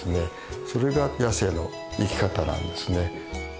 それが野生の生き方なんですね。